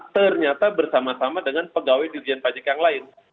ternyata bersama sama dengan pegawai dirjen pajak yang lain